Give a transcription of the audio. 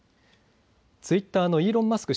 ツイッターのイーロン・マスク